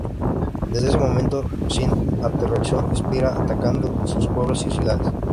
Desde ese momento, Sinh aterrorizó Spira atacando sus pueblos y ciudades.